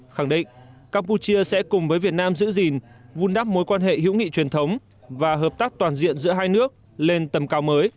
khẳng định campuchia sẽ cùng với việt nam giữ gìn vun đắp mối quan hệ hữu nghị truyền thống và hợp tác toàn diện giữa hai nước lên tầm cao mới